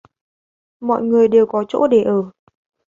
Mọi người đều có chỗ để ở